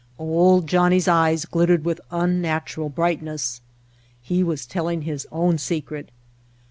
Old Johnnie's eyes glittered with unnatural brightness. He was telling his own secret.